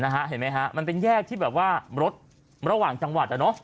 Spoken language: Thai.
เห็นไหมฮะมันเป็นแยกที่แบบว่ารถระหว่างจังหวัด